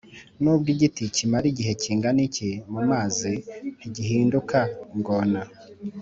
nubwo igiti kimara igihe kingana iki mumazi ntigihinduka ingona